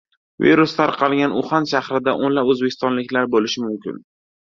Virus tarqalgan Uxan shahrida o‘nlab o‘zbekistonliklar bo‘lishi mumkin